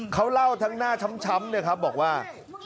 เขาเล่าทั้งหน้าช้ำบอกว่า